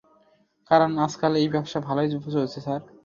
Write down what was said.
কারণ, আজকাল এই ব্যবসা ভালোই চলছে, স্যার।